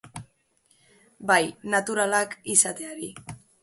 Bai, naturalak izateari.